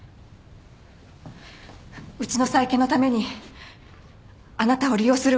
うちの再建のためにあなたを利用するわけには。